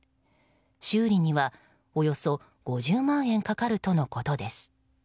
修理にはおよそ５０万円かかるとのことです。